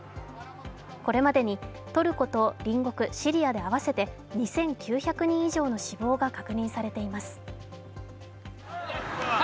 これまでにとること隣国シリアで合わせて２９００人以上の死亡が確認されています。